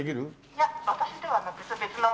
いや私ではなく別の者が。